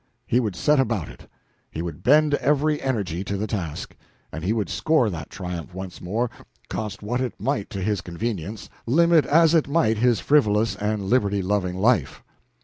He would set about it. He would bend every energy to the task, and he would score that triumph once more, cost what it might to his convenience, limit as it might his frivolous and liberty loving life.